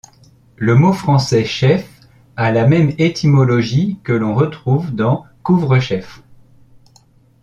Le mot français chef, a la même étymologie que l'on retrouve dans couvre-chef.